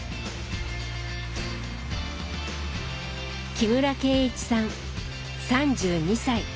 木村敬一さん３２歳。